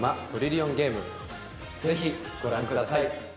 ぜひご覧ください。